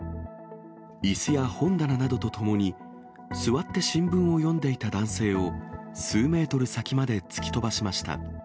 いすや本棚などとともに、座って新聞を読んでいた男性を、数メートル先まで突き飛ばしました。